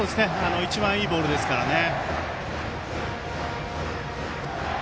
一番いいボールですからね。